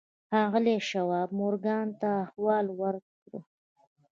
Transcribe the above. ښاغلي شواب مورګان ته احوال ورکړ.